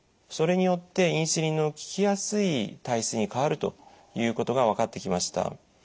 それによってインスリンの効きやすい体質に変わるということが分かってきました。